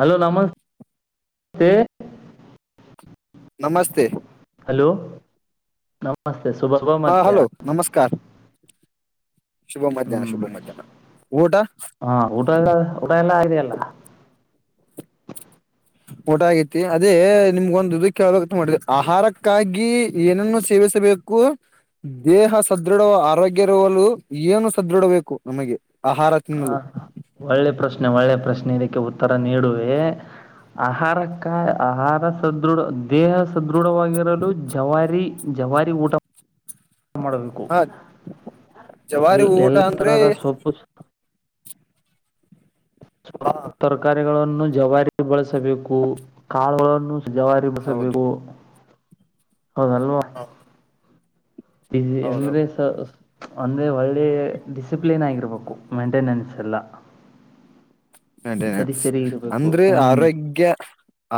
Hello ನಮಸ್ತೆ ನಮಸ್ತೆ hello ನಮಸ್ ಹಾ ಹಲೋ ನಮಸ್ಕಾರ ಶುಭ ಮಧ್ಯಾಹ್ನ ಹ್ಮ್ ಶುಭ ಮಧ್ಯಾಹ್ನ ಊಟ ಹಾ ಊಟ ಊಟ ಎಲ್ಲಾ ಆಗಿದೆ ಊಟ ಆಗೈತಿ ಅದೇ ನಿಮ್ಗೊಂದ ಇದು ಕೇಳಬೇಕಂತ ಮಾಡ ಆಹಾರಕ್ಕಾಗಿ ಏನೇನ್ನ ಸೇವಿಸ್ ಸಭೆಗೂ ದೇಹ ಸದೃಢವ ಆರೋಗ್ಯ ಇರುವಲು ಏನು ಸದೃಡ ಬೇಕು ನಮಗೆ ಆಹಾರ ಹ ತಿನ್ನಲು ಒಳ್ಳೆ ಪ್ರಶ್ನೆ ಒಳ್ಳೆ ಪ್ರಶ್ನೆ ಇದಕ್ಕೆ ಉತ್ತರ ನೀಡುವೆ ಆಹಾರ ಕಾಯ ಆಹಾರ ಸದೃಢ ದೇಹ ಸ ಸದೃಢವಾಗಿರಲು ಜವಾರಿ ಜವಾರಿ ಊಟ ಮಾಡಬೇಕು ಹ ಎ ಜವಾರಿ ಊಟ ಎಲ್ಲ ಅಂದ್ರೆ ತರದ ಸೊಪ್ಪು ಸ್ ಹ ತರಕಾರಿಗಳನ್ನು ಜವಾರಿ ಬಳಸಬೇಕು ಕಾಳುಗಳನ್ನು ಜವಾರಿ ಹೌದು ಬಳಸಬೇಕು ಹೌದಲ್ವಾ ಹ ಇದ್ದಿ ಅಂದ್ರೆ ಹೌದೌದು ಸರ ಒಂದೆ ಒಳ್ಳೆ ಡಿಸಿಪ್ಲಿನ್ ಆಗಿರ್ಬೇಕು ಮೇಂಟೆನೆನ್ಸ್ ಎಲ್ಲ ಸರಿ ಮೇಂಟೆನೆನ್ಸ್ ಸರಿ ಇರಬೇಕು ಅಂದ್ರೆ ಹ್ಞೂ ಆರೋಗ್ಯ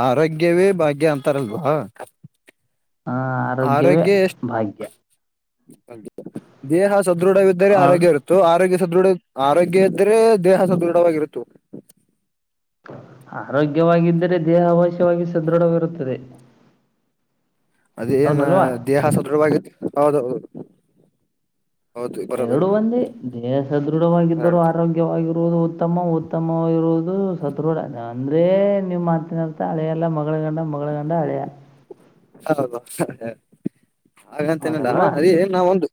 ಆರೋಗ್ಯವೇ ಭಾಗ್ಯ ಅಂತ ತರಲ್ವಾ ಆರೋಗ್ಯವೇ ಆರೋಗ್ಯ ಎಷ್ಟು ಭಾಗ್ಯ ದೇಹ ಸದೃಢವಿದ್ದರೆ ಆ ಆರೋಗ್ಯ ಇರುತ್ತೆ ಆರೋಗ್ಯ ಸದೃಢ ಆರೋಗ್ಯ ಇದ್ದ್ರೆ ದೇಹ ಸದೃಢವಾಗಿರುತ್ತು ಆರೋಗ್ಯವಾಗಿದ್ದರೆ ದೇಹ ಅವಾಶ್ಯವಾಗಿ ಸದೃಢವಿರುತ್ತದೆ ಅದ ಏನ್ ಹೌದಲ್ವಾ ದೇಹ ಸದೃವಾಗಿ ಹೌದೌದು ಹೌದು ಎರಡು ಬರೋಬರಿ ಒಂದೇ ದೇಹ ಸದೃಢವಾಗಿದ್ದರೂ ಎರಡು ಆರೋಗ್ಯವಾಗಿರುವುದು ಉತ್ತಮ ಉತ್ತಮವಾಗಿರುವುದು ಅದು ಸದೃಢ ಅಂದ್ರೆ ನಿಮ್ಮ ಮಾತಿನ ಅರ್ಥ ಅಳಿಯ ಅಲ್ಲ ಮಗಳ ಗಂಡ ಮಗಳ ಗಂಡ ಅಳಿಯ ಹೌ ಹಾಗಂತನಲ್ಲ ಹೌದಲ್ವಾ ಅದೇ ನಾವ ಒಂದು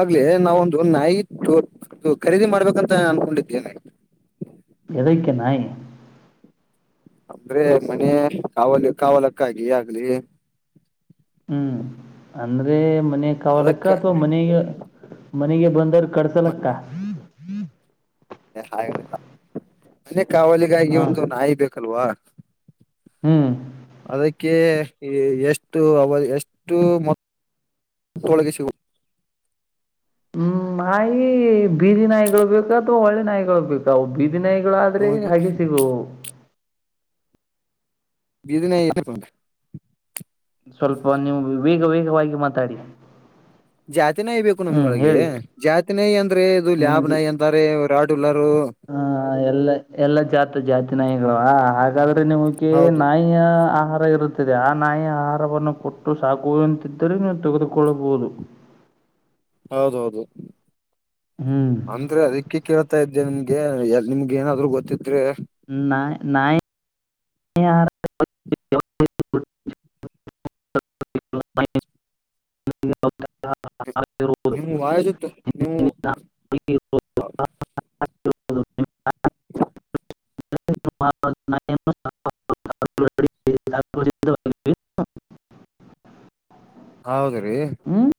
ಆಗ್ಲೇ ನಾವೊಂದು ನಾಯಿ ತ ಖರೀದಿ ಮಾಡ್ಬೇಕಂತ ಅನ್ಕೊಂಡಿದ್ದೇನೆ ಎದಕ್ಕೆ ನಾಯಿ ಅಂದ್ರೆ ಮನೆ ಕಾವಲು ಕಾವಾಲಕ್ಕಾಗಿ ಆಗ್ಲಿ ಹ್ಮ್ ಅಂದ್ರೆ ಮನೆ ಕಾವಾಲಕ್ಕ ಅದಕ್ಕ ಅಥವಾ ಮನೆಗೆ ಮನೆಗೆ ಬಂದರ್ ಕಡ್ಸಲಕ್ಕ ಕ ಹಾಗಲಿಲ್ಲ ಅದೇ ಕಾವಲಿಗಾಗಿ ಹಾ ಒಂದು ನಾಯಿ ಬೇಕಲ್ವಾ ಹ್ಮ್ ಕೆ ಎಷ್ಟು ಅವ ಎಷ್ಟು ಮ ಒಳಗೆ ಶಿವ್ ಹ್ಮ್ ನಾಯಿ ಬೀದಿ ನಾಯಿಗಳು ಬೇಕು ಅಥವಾ ಒಳ್ಳೆ ನಾಯಿಗಳು ಬೇಕವು ಬೀ ಬೀದಿ ನಾಯಿಗಳು ಆದ್ರೆ ನಮಗೆ ಹಾಗೆ ಸಿಗುವು ಬೀದಿ ನಾಯಿ ಏರ ಸ್ವಲ್ಪ ನೀವು ವೇಗ ವೇಗವಾಗಿ ಮಾತಾಡಿ ಜಾತಿ ನಾಯಿ ಬೇಕು ಹ್ಮ್ ನಮ್ಗಳಗೆ ಹೇಳಿ ಜಾತಿ ನಿ ಅಂದ್ರೆ ಇದು ಲಾಬ್ ನ ಅಂತಾರೆಾಡು ಹಾ ಎಲ್ಲ ಎಲ್ಲಾ ಜಾತ ಜಾತಿ ನಾಯಿಗಳವ ಹಾಗ ಹಾಗಾದ್ರೆ ನಿಮಗೆ ಹೌದು ನಾಯಿಯ ಆಹಾರ ಇರುತ್ತೆ ಆ ನಾಯಿಯ ಆಹಾರವನ್ನು ಕೊಟ್ಟು ಸಾಕುವಂತಿದ್ದರೆ ನೀವು ತೆಗೆದುಕೊಳ್ಳಬಹುದು [inaudible] ಹೌದೌದು ಹ್ಮ್ ಅಂದ್ರೆ ಅದಕ್ಕೆ ಕೇಳ್ತಾ ಇದ್ದೆ ನಿಮ್ಗೆ ನಿಮಗ ಏನಾದ್ರು ಗೊತ್ತಿದ್ರೆ [inaudible] ನ್ ನಾಯಿ [inaudible] [unintelligible] -ನೀವು ವಾಯ ಜತ್ತು ನೀವು [inaudible] [unintelligible] [inaudible] [inaudible] [unintelligible] ಹೌದರ್ರೀ ಹ್ಮ್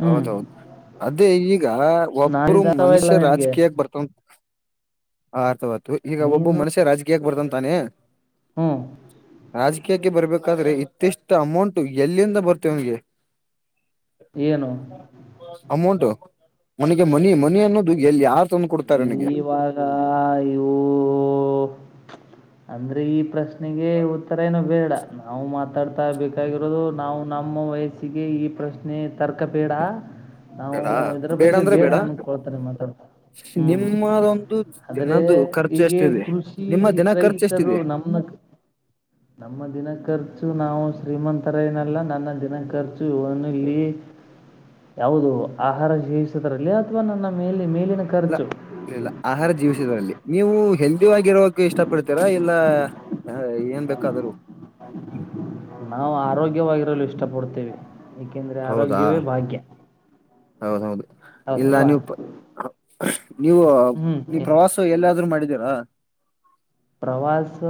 ಹ್ಮ್ ಹೌದೌದು ಅದೇ ಈಗ ಈಗ ಒಬ್ಬರು ನಾಳಿದ ಅಥವಾ ಇಲ್ಲ ಮನುಷ್ಯ ನಿನ್ಗೆ ರಾಜಕೀಯಾಗ ಬರ್ತನ ಆತ ಅವತು ಈಗ ಒಬ್ಬ ನೀನು ಮನುಷ್ಯ ರಾಜಕೀಯಕ್ಕೆ ಬರ್ತಾನ್ ತಾನೆ ಹ್ಮ್ [inaudible] ಆಜ ಕೆ ಕೆ ಬರ್ಬೇಕಾದ್ರೆ ಇತ್ತಿಷ್ಟು ಅಮೌಂಟು ಎಲ್ಲಿಂದ ಬರ್ತೇ ಇವನಿನಗೆ ಏನು ಅಮೌಂಟು ಮನಗೆ ಮನಿ ಮನಿ ಅನ್ನೋದು ಎಲ್ಲಿ ಯಾರು ತಂದು ಕೊಡ್ತಾರೆ ಅವನಿಗೆ ಈವಾಗಾ ಯುವು ಅಂದ್ರೆ ಈ ಪ್ರಶ್ನೆಗೆ ಉತ್ತರ ಏನು ಬೇಡ ನಾವು ಮಾತ ಮಾತಾಡ್ತಾ ಬೇಕಾಗಿರೋದು ನಾವು ನಮ್ಮ ವಯಸ್ಸಿಗೆ ಈ ಪ್ರಶ್ನೆ ತರ್ಕ ಬೇಡ ನಾವು ಬೇಡ ಇದ್ರ ಬಗ್ಗೆ ಬೇಡ ಅನ್ಕೊಳ್ತಾರೆ ಮಾತಾಡ್ತರೆ ಹು ನಿಮ್ಮದೊಂದು ಆದ್ರೆ ದಿನದ್ದು ಖರ್ಚು ಈಗೆ ಎಷ್ಟಿದೆ ಕೃಷಿ ನಿಮ್ಮ ದಿನ ಖರ್ಚು ರೈತರು ಎಷ್ಟಿದೆ ನಮಗ [unintelligible] ನಮ್ಮ ದಿನ ಕರ್ದು ಖರ್ಚು ನಾವು ಶ್ರೀಮಂತರೈನಲ್ಲ ನನ್ನ ದಿನ ಖರ್ಚು ಇವನು ಇಲ್ಲಿ ಯಾವುದು ಆಹಾರ ಜಿವಿಸುದ್ರಲ್ಲಿ ಅಥವಾ ನನ್ನ ಮೇಲೆ ಮೇಲಿನ ಇಲ್ಲ ಖರ್ಚು ಇಲ್ಲ ಆಹಾರ ಜೀವಸ ಇದರಲ್ಲಿ ನೀವು ಹೆಲ್ದಿ ಆಗರೋಕ ಇಷ್ಟಪಡ್ತೀರಾ ಇಲ್ಲ ಏನ್ ಬೇಕಾದರೂ [unintelligible] ನಾವು ಆರೋಗ್ಯವಾಗಿರಲು ಇಷ್ಟಪಡ್ತೇವಿ- ಯಾಕೆಂದ್ರೆ ಆರೋಗ್ಯವೇ ಭಾಗ್ಯ ಹೌದು ಹೌದು ಇಲ್ಲ ಹೌದಲ್ವಾ ನೀವು [inaudible] ನೀವು ನೀ ಹ್ಞೂ ಪ್ರವಾಸ ಎಲ್ಲಾದ್ರರು ಮಾಡಿದ್ದೀರಾ ಪ್ರವಾಸ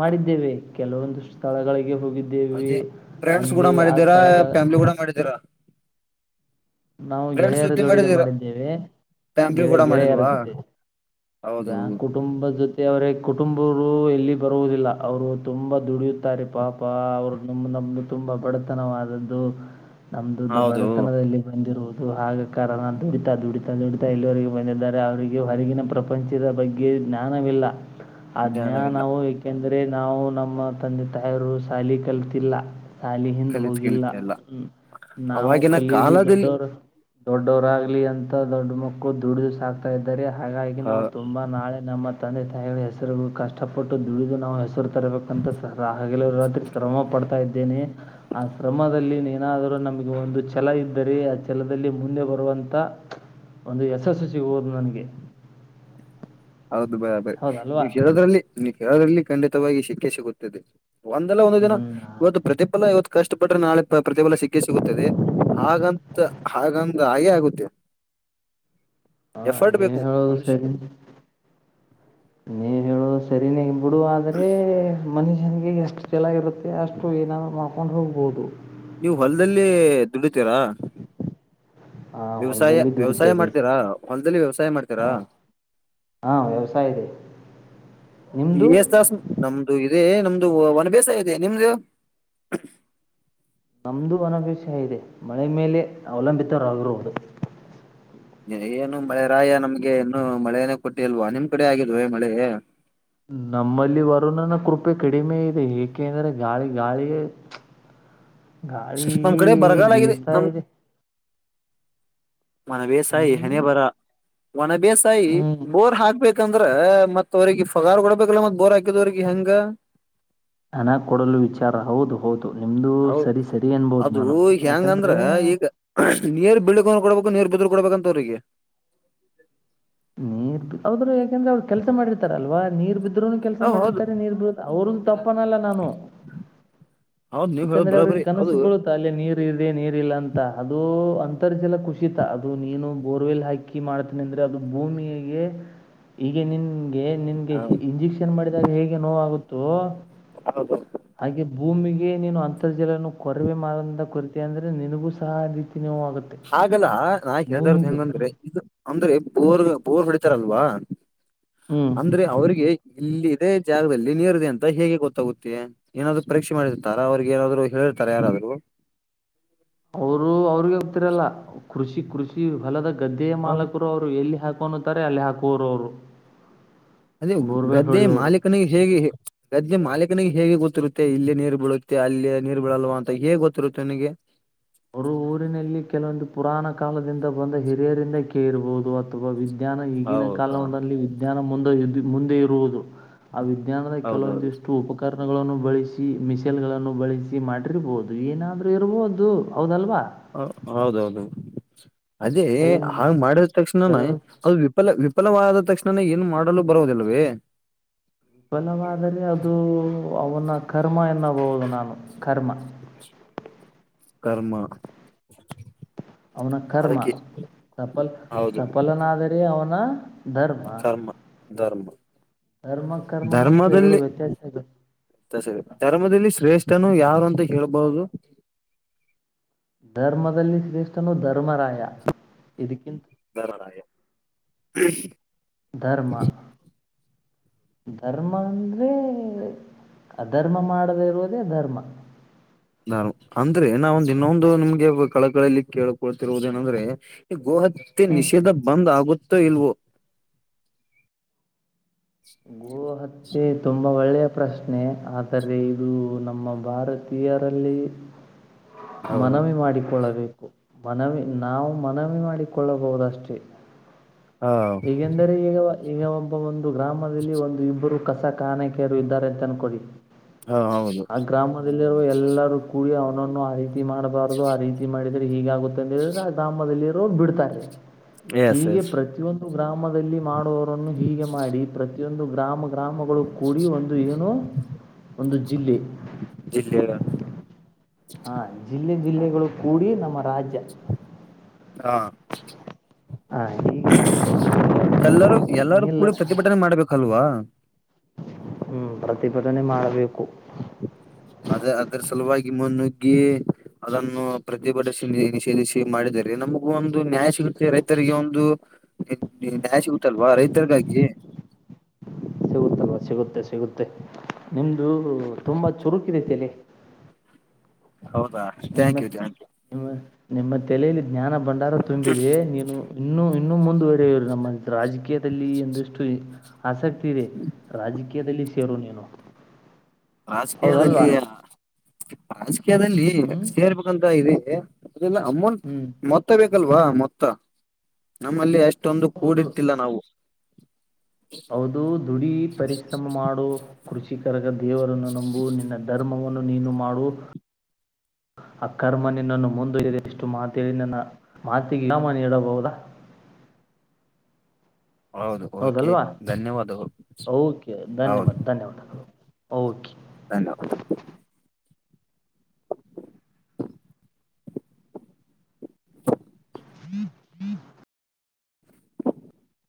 ಮಾಡಿದ್ದೇವೆ ಕೆಲವೊಂದಷ್ಟು ಸ್ಥಳಗಳಿಗೆ ಹೋಗಿದ್ದೇವೆ ಅದೇ ಫ್ರೆಂಡ್ಸ್ ಅಂದ್ರೆ ಕೂಡ ಆ ಮಾಡಿದ್ದೀರಾ ಸ್ಥಳದ ಫ್ಯಾಮಿಲಿ ಕೂಡ ಮಾಡಿದ್ದೀರಾ ನಾವು ಫ್ರೆಂಡ್ಸ್ ಗೆಳೆಯರ ಜೊತೆ ಜೋಡಗೆ ಮಾಡಿದ್ದೀರಾ ಮಾಡಿದ್ದೇವೆ ಫ್ಯಾಮಿಲಿ ಗೆಳ ಕೂಡ ಗೆಳೆಯರ ಮಾಡಿಲ್ವಾ ಜೊತೆ ಹೌದು ಕುಟುಂಬದ ಜೊತೆವರೇ ಕುಟುಂಬರು ಎಲ್ಲಿ ಬರುವುದಿಲ್ಲ ಅವರು ತುಂಬಾ ದುಡಿಯುತ್ತ ತ್ತಾರೆ ಪಾಪ ಅವರು ನ ನಮ್ಮು ನಮ್ದು ತುಂಬ ಬಡತನವಾದದ್ದು ನಮ್ದು ಹೌದು ಬಡತನದಲ್ಲಿ ಬಂದಿರುವುದು ಹಾಗ ಕಾರಣ ದುಡಿತಾ ದುಡಿತಾ ದುಡಿತಾ ಇಲ್ಲಿವಗೆ ಬಂದಿದ್ದಾರೆ ಅವರಿಗೆ ಹೊರಗಿನ ಪ್ರ ಪ್ರಪಂಚದ ಬಗ್ಗೆ ಜ್ಞಾನವಿಲ್ಲ ಆ ಜ್ಞಾನವಿಲ್ಲ ಜ್ಞಾನವು ಏಕೆಂದರೆ ಅದೇ ನಾವು ನಮ್ಮ ತಂದೆ ತಾಯಿರು ಸಾಲಿ ಕಲ್ತಿಲ್ಲ ಶಾಲಿ ಹಿಂದ ಕಲಿತ್ ಹೋಗಿಲ್ಲ ಕಲಿತ ಎಲ್ಲ ನಾವು ಅವಾಗಿನ ಕಲೀಲಿ ಕಾಲದಲ್ಲಿ ದೊಡ್ಡೋರು -ದೊಡ್ಡವರಾಗ್ಲಿ ಅಂತ ದೊಡ್ಡ ಮಕ್ಕಳು ದುಡಿದು ಸಾಕ್ತಾ ಇದ್ದಾರೆ ಹಾಗಾಗಿ ನಾವು ತುಂಬಾ ನಾಳೆ ನಮ್ಮ ತಂದೆ ತಾಯಿಗಳ ಹೆಸರು ಕಷ್ಟಪಟ್ಟು ದುಡಿದು ನಾವು ಹೆಸರು ತರಬೇಕಂತ ಸದಾ ಹಗಲು ರಾತ್ರಿ ಶ್ರಮ ಪಡ್ತಾ ಇದ್ದೇನೆ ಆ ಶ್ರಮದಲ್ಲಿ ಏನಾದರೂ ನಮಗೆ ಒಂದು ಛಲ ಇದ್ದರೆ ಅ ಛಲದಲ್ಲಿ ಮುಂದೆ ಬರುವಂತ ಒಂದು ಯಶಸ್ಸು ಸಿಗೋದು ನನಗೆ ಹೌದು [unintelligible] ಹೌದಲ್ವಾ ನೀ ಕೇಳೋದ್ರಲ್ಲಿ ಖಂಡಿತವಾಗಿ ಸಿಕ್ಕೆ ಸಿಗುತ್ತದೆ ಒಂದಲ್ಲ ಒಂದು ದಿನ ಇವತ್ತು ಹ್ಞೂ ಪ್ರತಿಫಲ ಇವತ್ತ ಕಷ್ಟ ಪಟ್ಟರ ನಾಳೆ ಪ್ರತಿಫಲ ಸಿಕ್ಕೇ ಸಿಗುತ್ತದೆ ಹಾಗಂತ ಹಾಗಂದ ಹಾಗೆ ಆಗುತ್ತೆ [inaudible] ಎಫರ್ಟ್ ಬೇಕು ಮನುಷ್ಯ ನೀವ ಹೇಳೋದ ಸರಿನೇ ಬಿಡು ಆದ್ರೆ ಮನುಷ್ಯನಿಗೆ ಎಷ್ಟು ಛಲ ಇರುತ್ತೆ ಅಷ್ಟು ಏನಾದ್ರು ಮಾಡ್ಕೊಂಡು ಹೋಗ್ಬೋದು ನೀವು್ ಹೊಲದಲ್ಲಿ ದುಡಿತೀರಾ ಹಾ ವ್ಯವಸಾಯ ಹೊಲದಲ್ಲಿ ವ್ಯವಸಾಯ ದುಡಿತೇವಿ ಮಾಡ್ತೀರಾ ಹೊಲ್ದಲ್ಲಿ ವ್ಯವಸಾಯ ಮಾಡ್ತೀರಾ ಹಾ ಹಾ ವ್ಯವಸಾಯ ಇದೆ ನಿಮ್ಮದು [unintelligible] ಇೇ ನಮ್ದು ಒನ ಬೇಸಯ ಇದೆ ನಿಮ್ದು ನಮ್ದ ಹೊಣ ಬೇಸಾಯ ಇದೆ ಮಳೆ ಮೇಲೆ ಅವಲಂಬಿತರಾಗಿರೋದು ಏನು ಮಳೆ ರಾಯ ನಮ್ಗೆ ಇನ್ನು ಮಳೆನೆೇ ಕೊಟ್ಟಿಲ್ವಾ ನಿಮ್ ಕಡೆ ಆಗಿಲ್ವೇ ಮಳೆ ನಮ್ಮಲ್ಲಿ ವರುಣನ ಕೃಪೆ ಕಡಿಮೆ ಇದೆ ಏಕೆಂದ್ರೆ ಗಾಳಿ ಗಾಳಿಯೇ ಗಾಳಿ ನಮ್ ಕಡೆ ಬರಗಾಲ ಆಗಿದೆ ನಮ್ ಬೀಸುತಿದೆ ಮನ ಬೇಸಾಯಿ ಹೆಣೆ ಹ್ಮ್ ಬರ ಒನ ಬೇಸಾಯಿ ಹ್ಮ್ ಬೋರ್ ಹಾಕ್ಬೇಕು ಯಾಕಂದ್ರ ಮತ್ ಅವ್ರರಿಗೆ ಫಗಾರ್ ಕೊಡ್ಬೇಕಲ್ಲ ಮತ್ ಬೋರ್ ಹಾಕಿದವರಿಗೆ ಹೆಂಗ ಹಣ ಕೊಡಲು ವಿಚಾರ ಹೌದು ಹೌದು ನಿಮ್ದು ಹೌ ಸರಿ ಸರಿ ಅನ್ಬೋದು ಅದು ನಾನು ಹೆ್ಯಾಂಗಂದ್ರ ಯಾಕಂದ್ರೆ ಈಗ ನೀರ್ ಬೆಳ್ಕೊಂಡ ಕೊಡ್ಬೇಕು ನೀರ್ [unintelligible] ಕೊಡ್ಬೇಕಂತ ಅವ್ರಿಗೆ ನೀರ್ರು ಯಾಕಂದ್ರೆ ಅವ್ರ ಕೆಲಸ ಮಾಡಿರ್ತಾರಲ್ವಾ ನೀರ್ ಇದ್ರೂನು ಕೆಲಸ ಹ ಹೌದು ಮಾಡಿರ್ತಾರೆ ನೀರ್ ಬಿರುತ್ತ ಅವ್ರನ್ ತಪ್ಪನಲ್ಲ ನಾನು ಹೌದ್ ನೀವ್ ಹೇಳ ಯಾಕಂದ್ರೆ ಅವ್ರಿಗೆ ಬರಾಬರಿ ಅದು ಕನಸು ಬೀಳುತ್ತಾ ಅಲ್ಲಿ ನೀರು ಇದೆ ನೀರ್ ಇಲ್ಲ ಅಂತ ಅದು ಅಂತರ್ಜಲ ಕುಸಿತ ಅದು ನೀನು ಬೋರ್ವೆಲ್ ಹಾಕಿ ಮಾಡ್ತನಿ ಅಂದ್ರೆ ಅದು ಭೂಮಿಯಿಗೆ ಹೀಗೆ ನಿನ್ಗೆ ನಿನ್ಗೆ ಇಂಜೆಕ್ಷನ್ ಮಾಡಿದಾಗ ಹೇಗೆ ನೋಗುತ್ತೆ. ತೋ ಹೌದು ಹೌದು ಭೂಮಿಗೆ ನೀನು ಅಂತರ್ಜಲನು ಕೊರವೆ ಮಾಡದಿಂದ ಕೊರತ ಅಂದ್ರರೆ ನಿನಗೂ ಸಹ ಅತಿ ಹಾಗಲ್ಲ ನಾ ಹೇಳ್ದಾರ್ದ ಭೂಮಿಗೂ ಹೆಂಗಂದ್ರೆ ಇದು ಅಂದ್ರೆ ಬೋರ್ ಬೋರ್ ಹೊಡಿತಾರಲ್ವಾ ಹ್ಮ್ ಅಂದ್ರೆ ಅವರಿಗೆ ಇಲ್ಲಿ ಅದೇ ಜಾಗದಲ್ಲಿ ನೀರಿದೆ ಅಂತ ಹೇಗೆ ಗೊತ್ತಾಗುತ್ತೆ ಏನಾದ್ರು ಪರೀಕ್ಷೆ ಮಾಡಿರ್ತಾರ ಅವಿಗೆ ಏನಾದ್ರು ಹೇಳೇರ್ತಾರೆ ಯಾರಾದ್ರರು ಹಲೋ [unintelligible] ಅವರು ಅವ್ರಿಗೆ ಹೋಗ್ತಿರಲ್ಲ ಕೃಷಿ ಕೃಷಿ ಹೊಲದ ಗದ್ದೆಯ ಹೌದ ಮಾಲಕರು ಅವ್ರು ಎಲ್ಲಿ ಹಾಕ ಅಲ್ಲಿ ಹಾಕುವೋರ ಅವರು ಅದೇ ಬೋರ್ವೆಲ್ ಗದ್ದೆ ಹೊಡೆಯೋರು ಮಾಲೀಕನಿಗೆ ಹೇಗೆ ಗದ್ದೆ ಮಾಲೀಕನಿಗೆ ಹೇಗೆ ಗೊತ್ತು ಗೊತ್ತಿರುತ್ತೆ ಇಲ್ಲಿೇ ನೀರ್ ಬೀಳುತ್ತೆ ಅಲ್ಲಿ ನೀರ್ ಬೀಳಲ್ವವಾ ಅಂತ ಹೇಗ್ ಗೊತ್ತಿರುತ್ತೆ ನನಗೆ ಅವರು ಊರಿನಲ್ಲಿ ಕೆಲವೊಂದು ಪುರಾಣ ಕಾಲದಿಂದ ಬಂದ ಹಿರಿಯರಿಂದ ಕೇ ಇರಬಹುದು ಅಥವಾ ವಿದ್ಯ ವಿಜ್ಞಾನ ಈಗಿನ ಹೌದಾ ಕಾಲದಲ್ಲಿ ವಿಜ್ಞಾನ ಮುಂದೆ ಮುಂದೆ ಇರುವುದು ಆ ವಿಜ್ಞಾನದ ಹೌದೌದು ಕೆಲವೊಂದಿಷ್ಟು ಉಪಕರಣ ಕರಣಗಳನ್ನು ಬಳಸಿ ಮಿಸೈಲ್ ಗಳನ್ನು ಬಳಸಿ ಮಾಡಿರ್ಬಹುದು ಏನಾದ್ರೂ ಇರಬಹುದು ಹೌದಲ್ವಾ ಹೌ ಹೌದ ಹೌದ ಚು ಅದೇ ಕೆಲವೊಂದು ಹಾಗ ಮಾಡಿದ ತಕ್ಷಣನ ಕೆಲವು ಅದು ವಿಫಲ ವಿ ವಿಫಲವಾದ ತಕ್ಷಣನ ಏನು ಮಾಡಲು ಬರವುದಿಲ್ಲವೇ ವಿಫಲವಾದರೆ ಅದುಉ ಅವನ ಕರ್ಮ ಎನ್ನಬೋಹುದು ನಾನು ಕರ್ಮ ರ್ಮ ಚಿವ್ ಚಿವ್ ಅವನ ಕರ್ಮ ಸಫಲ್ ಸಫಲನಾದರೆ ಅವನ ಧರ್ಮ ಪ್ಚ್ ಕರ್ಮ ಧರ್ಮ ಧರ್ಮ ಕರ್ಮ ಮತ್ತು ಎರಡು ವ್ಯತ್ಯಾಸ ಇದೆ. ಧರ್ಮದಲ್ಲಿತಸರಿ ಧರ್ಮದಲ್ಲಿ ಶ್ರೇಷ ಸ್ಟೇನು ಯಾರು ಅಂತ ಹೇಳಬಹುದು. ಧರ್ಮದಲ್ಲಿ ಶ್ರೇಷ್ಠನು ಧರ್ಮರಾಯ ಇದ ದರರಾಯ ಕ್ಕುಹು ಧರ್ಮ ಕ್ಕುಹು [inaudible] ಧರ್ಮ ಅಂದ್ರರೆ ಅಧರ್ಮ ಮಾಡದೆ ಇರೋದೇ ಧರ್ಮ. ನಾನು ಅಂದ್ರೆ ನಾವೊಂದು ಇನ್ನೊಂದು ನಿಮ್ಮಗೆ ಕಳಕಳಲ್ಲಿ ಕೇಳಳ್ಕೊಳ್ತಿರುವುದೇನಂದ್ರೆ ಈ ಗೋಹತ ತ್ಯ ಹ್ಞೂ ನಿಷೇಧ ಬಂದ್ ಆಗುತ್ತೋ ಇಲ್ವೋ ಗೋ ಹತ್ಯೆ ತ್ಯ ತುಂಬ ಒಳ್ಳೆಯ ಪ್ರಶ್ನೆ ಆದರೆ ಇದು ನಮ್ಮ ಭಾರತೀಯರಲ್ಲಿ ಟಡದ ಹೌದು ಮನವಿ ಮಾಡಿಕೊಳ್ಳಬೇ ಕು ಮನವಿ ನಾವು ಮನವಿ ಮಾಡಿಕೊಳ್ಳಬಹುದಷ್ಟೇ ಹಾ ಹಿಗೆಂದರೆ ಇವ ಈಗ ಈಗ ಒಬ್ಬ ಒಂದು ಗ್ರಾಮದಲ್ಲಿ ಒಂದು ಇಬ್ಬರು ಕಸ ಕಾಣೆ ಕೆಡವಿಇದ್ದಾರೆ ಅಂತ ಅನಕ್ಕೊಳ್ಳಿ ಪ್ಚ್ ಹ ಹೌದು ಆ ಗ್ರಾಮದಲ್ಲಿರುವ ಎಲ್ಲರೂ ಕೂಡಿ ಅವನನ್ನು ಆ ರೀತಿ ಮಾಡಬಾರ್ದದು ಆ ರೀತಿ ಮಾಡಿದ್ರೆ ಹೀಗೆ ಆಗುತ್ತೆ. ಇದ್ಲಾ ಗ್ರಾಮದಲ್ಲಿ. ಅವರು ಬಿಡ್ತಾರೆ ಎಸ್ ಹೀಗೆ ಎಸ್ ಪ್ರತಿಯೊಂದು ಗ್ರಾಮದಲ್ಲಿ ಮಾಡುವವರನ್ನು ಹೀಗೆ ಮಾಡಿ ಪ್ರತಿಯೊಂದು ಗ್ರಾಮ. ಗ್ರಾಮಗಳು ಕೂಡಿ ಒಂದು ಏನೋ ಒಂದು ಜಿಲ್ಲೆ ಜಿಲ್ಲೆ ಹ್ಹ್ಹ್ಹ್ಊ ಟಕ್ ಹ ಜಿಲ್ಲೆ ಜಿಲ್ಲೆಗಳು ಕೂಡಿ ನಮ್ಮ ರಾಜ್ಯ ಹಾ ಚಿವ್ ಚಿವ್ ಆ ಹೀಗೆ ಹು ಕ್ಕಾಕುಹೂ ಪ್ಚ್ಲ್ ಎಲ್ಲಾರೂ ಎಲ್ಲಾರೂ ನಿಲ್ಲ ಕೂಡ ಪ್ರತಿಭಟನೆ ಮಾಡ್ಬೇಕಲ್ವಾ ಹು ಪ್ರತಿಭಟನೆ ಮಾಡಬೇಕು. ಅದೆ ಅದ್ರ ಸಲುವಾಗಿ ಮುನ್ನುಗ್ಗಿ ಅದನ್ನು ಪ್ರತಿಭಟಿಸಿ ನಿಷೇಧಿಸಿ ಮಾಡಿದರೆ ನಮಗೂ ಒಂದು ನ್ಯಾಯ ಸಿಗುತ್ತೆ ರೈತರಿಗೆ ಒಂದು. ಹೆಕ್ ನಾ ನ್ಯಾಯ ಸಿಗುತ್ತಲ್ವಾ ರೈತರಿಗಾಗಿ [unintelligible] ಸಿಗುತ್ತೆ ಸಿಗುತ್ತೆ ನಿಮ್ದು ತುಂಬಾ ಚುರುಕಿದೆೈತಲ್ಲಿ. ಹೌದಾ ಥ್ಯಾಂಕ್ ಯು ಜಯಂತ. ನಿಮ್ಮ ನಿಮ್ಮ ತಲೆಯಲ್ಲಿ ಜ್ಞಾನ ಭಂಡಾರ ತುಂಬಿದೆ ನೀನು ಇನ್ನು ಇನ್ನು ಮುಂದುವರೆಯ ಇವರು ನಮ್ಮ ರಾಜಕೀಯ ದಲ್ಲಿ ಎಂದಷ್ಟು ಆಸಕ್ತಿ ಇದೆ ರಾಜಕೀಯದಲ್ಲಿ ಸೇರು ನೀನು ಹೌದಲ್ವಾ ರಾಜಕೀಯದಲ್ಲಿಯಾ ರಾಜಕೀಯದಲ್ಲಿ ಹ್ಞೂ ಸೇರ್ಬೇಕಂತ ಇದಿನಿ. ಅದೆಲ್ಲ ಅಮೌಂಟ್ ಹ್ಞೂ ಮೊತ್ತ ಬೇಕಲ್ವಾ ಮೊತ್ತ ನಮ್ಮಲ್ಲಿ ಅಷ್ಟ. ಅಷ್ಟೊಂದು ಕೂಡಿಟ್ಟಿಲ್ಲ ನಾವು. ಹೌದುದು ದುಡಿ ಪರಿಶ್ರಮ ಮಾಡು ಕೃಷ ಕರಗ ದೇವರನ್ನು ನಂಬು ನಿನ್ನ ಧರ್ಮವನ್ನು. ನಿನ್ನು ನೀನು ಮಾಡುವ ಹಕ್ಗ್ ಆ ಕರ್ಮ ನಿನ್ನನ್ನು ಮುಂದವಲಿಲಿ ಇಷ್ಟು ಮಾತೇಳಿ ನನ್ನ ಮಾತಿಗೆ ನಿರ್ನಾಮ ನೀಡಬಹುದಾ. [unintelligible] ಹೌದು ಓಕೆ ಹೌದಲ್ವಾ ಧನ್ಯವಾದಗಳು ಓಕೆ ಹೌದು ಧನ್ಯವಾದ ಧನ್ಯವಾದಗಳು ಓಕೆ. ಧನ್ಯವಾದ ಹ ಹ.